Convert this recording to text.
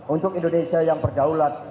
untuk indonesia yang berdaulat